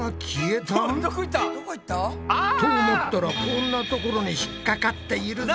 どこ行った？と思ったらこんなところに引っ掛かっているぞ。